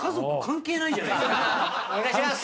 お願いします。